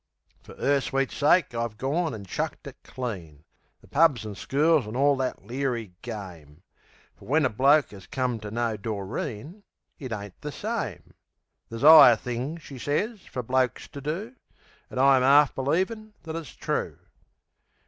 Fer 'er sweet sake I've gone and chucked it clean: The pubs an' schools an' all that leery game. Fer when a bloke 'as come to know Doreen, It ain't the same. There's 'igher things, she sez, for blokes to do. An' I am 'arf believin' that it's true.